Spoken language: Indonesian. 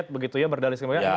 begitu ya berdalil seperti itu